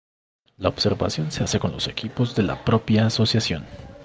La observación se hace con los equipos de la propia asociación.